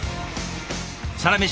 「サラメシ」